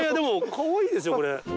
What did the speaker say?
かわいいですよこれ。